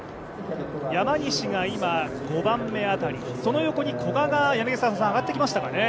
山西が今、５番目あたり、その近くに古賀が上がってきましたかね。